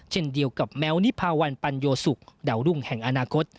เช่นเดียวกับแม้วนิพาวันปัญโยสุกดาวรุ่งแห่งอนาคต